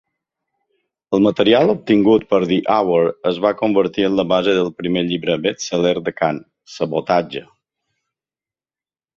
El material obtingut per The Hour es va convertir en la base del primer llibre best-seller de Kahn, Sabotage!